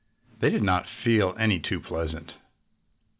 They did not feel any too pleasant.